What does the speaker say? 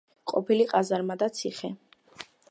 ყოფილი ყაზარმა და ციხე.